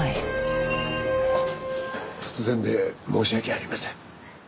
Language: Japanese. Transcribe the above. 突然で申し訳ありません。